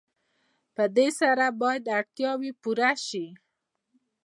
په دې سره باید اړتیاوې پوره شي.